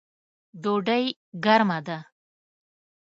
ډوډۍ ګرمه ده